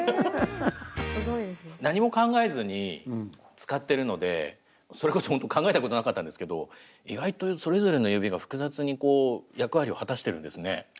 何も考えずに使ってるのでそれこそほんと考えたことなかったんですけど意外とそれぞれの指が複雑に役割を果たしてるんですね。